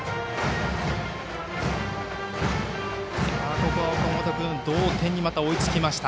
ここは岡本君同点に追いつきました。